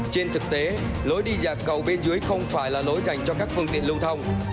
trên thực tế lối đi dạc cầu bên dưới không phải là lối dành cho các phương tiện lưu thông